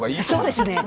そうですね。